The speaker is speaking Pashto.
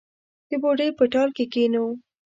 د بوډۍ په ټال کې کښېنو